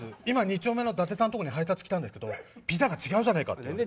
今２丁目の伊達さんのとこに配達来たんですけどピザが違うじゃねえかって。